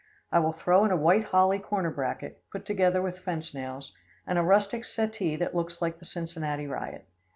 I will throw in a white holly corner bracket, put together with fence nails, and a rustic settee that looks like the Cincinnati riot.